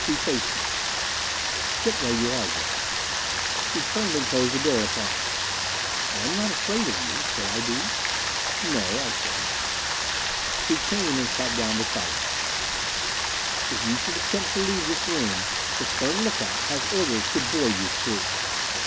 She faced me. "Sit where you are, Gregg." She turned and closed the door upon us. "I am not afraid of you. Should I be?" "No," I said. She came and sat down beside me. "If you should attempt to leave this room, the stern look out has orders to bore you through."